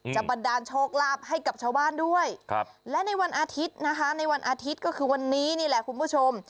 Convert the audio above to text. บันดาลโชคลาภให้กับชาวบ้านด้วยและในวันอาทิตย์นะคะในวันอาทิตย์ก็คือวันนี้นี่แหละคุณผู้ชม